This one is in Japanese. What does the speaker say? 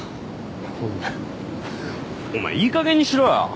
お前お前いいかげんにしろよ